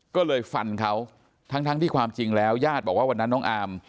ก็เลยฟันเขาทั้งที่ความจริงแล้วญาติบอกว่าวันนั้นน้องอาม